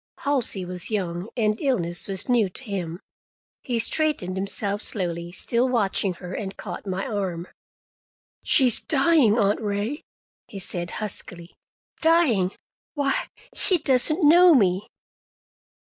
Halsey was young, and illness was new to him. He straightened himself slowly, still watching her, and caught my arm. "She's dying, Aunt Ray!" he said huskily. "Dying! Why, she doesn't know me!"